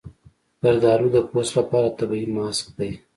زردالو د پوست لپاره طبیعي ماسک دی.